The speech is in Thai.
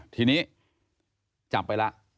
ทีนี้จับไปละ